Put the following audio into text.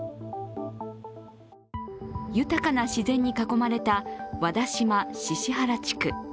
豊かな自然に囲まれた和田島・宍原地区。